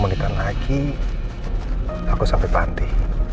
sepuluh menit lagi aku sampai panti